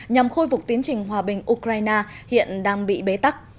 nhằm khôi phục tiến trình hòa bình ukraine hiện đang bị bế tắc